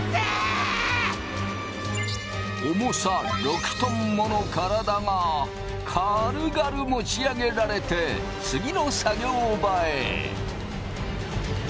重さ６トンもの体が軽々持ち上げられて次の作業場へ。